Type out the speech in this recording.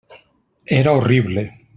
Era horrible.